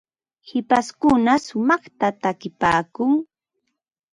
hipashkuna shumaqta takipaakun.